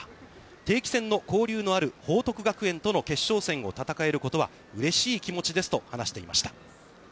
定期戦の交流のある報徳学園との決勝戦を戦えることは、うれしい気持ちですと話していました。